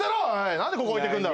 なんでここ置いてくんだ！